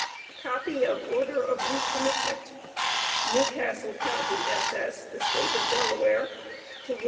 COPY OF ORDER OF RE COMMITMENT. New Castle county, ss., the State of Delaware to Wm.